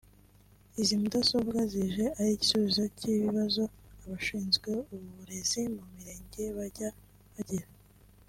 Izi mudasobwa zije ari igisubizo cy’ibibazo abashinzwe uburezi mu mirenge bajyaga bagira